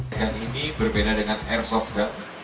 ikan ini berbeda dengan airsoft gun